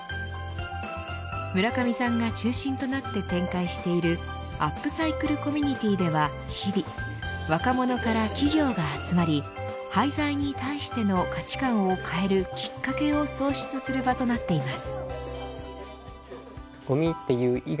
村上さんが中心となって展開しているアップサイクルコミュニティーでは、日々若者から企業が集まり廃材に対しての価値感を変えるきっかけを創出する場となっています。